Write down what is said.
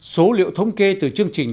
số liệu thống kê từ chương trình